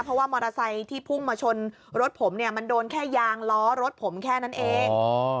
เพราะว่ามอเตอร์ไซค์ที่พุ่งมาชนรถผมเนี่ยมันโดนแค่ยางล้อรถผมแค่นั้นเอง